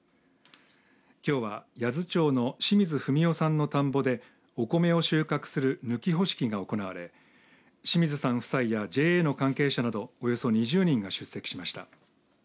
きょうは、八頭町の清水章雄さんの田んぼでお米を収穫する抜穂式が行われ清水さん夫妻やＪＡの関係者などおよそ２０人が出席しました。